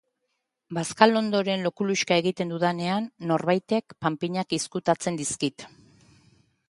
Bazkalondoren lo kuluxka egiten dudanean norbaitek panpinak izkutatzen dizkit.